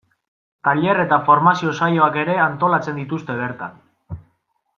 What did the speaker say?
Tailer eta formazio saioak ere antolatzen dituzte bertan.